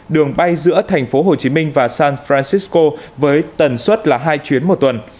đường bay giữa thành phố hồ chí minh và san francisco với tần suất là hai chuyến một tuần